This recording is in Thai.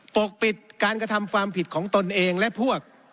ปกปิดการกระทำความผิดของตนเองและพวก